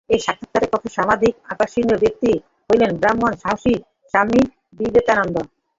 এই সাক্ষাৎকার-কক্ষে সমধিক আকর্ষণীয় ব্যক্তি হইলেন ব্রাহ্মণ সন্ন্যাসী স্বামী বিবেকানন্দ।